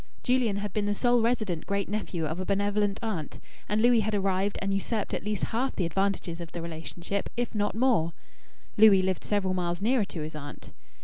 Julian had been the sole resident great nephew of a benevolent aunt, and Louis had arrived and usurped at least half the advantages of the relationship, if not more; Louis lived several miles nearer to his aunt.